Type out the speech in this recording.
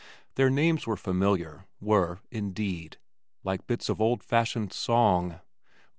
Their names were familiar were, indeed, like bits of old fashioned song.